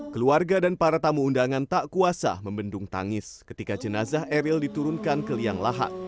keluarga dan para tamu undangan tak kuasa membendung tangis ketika jenazah eril diturunkan ke liang lahat